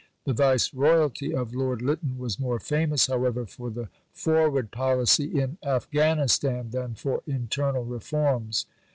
" The Viceroyalty of Lord Lytton was more famous, however, for the forward policy in Afghanistan than for internal reforms.